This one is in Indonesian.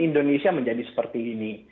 indonesia menjadi seperti ini